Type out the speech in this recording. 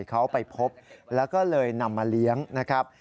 เขาไปพบแล้วก็เลยนำมาเลี้ยงนะครับ